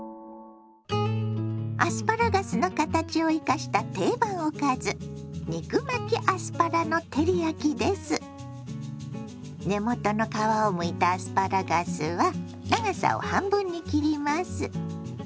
アスパラガスの形を生かした定番おかず根元の皮をむいたアスパラガスは長さを半分に切ります。